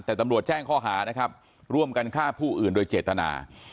แต่ตำรวจแจ้งข้อหานะครับร่วมกันฆ่าผู้อื่นโดยเจตนา